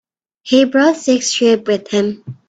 He brought six sheep with him.